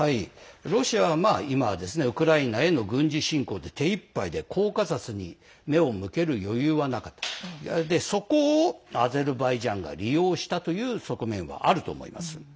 ロシアは、ウクライナへの軍事侵攻で手いっぱいでコーカサスに目を向ける余裕はなかったそこをアゼルバイジャンは利用したという側面はあると思います。